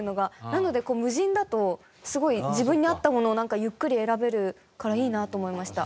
なので無人だとすごい自分に合ったものをゆっくり選べるからいいなと思いました。